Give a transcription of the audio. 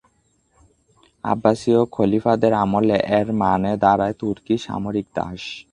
আব্বাসীয় খলিফাদের আমলে এর মানে দাঁড়ায় তুর্কি সামরিক দাস।